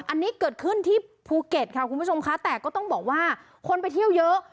อันนี้เกิดขึ้นที่ภูเก็ตค่ะคุณผู้ชมค่ะแต่ก็ต้องบอกว่าคนไปเที่ยวเยอะ